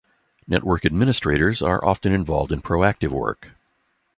Network administrators are often involved in proactive work.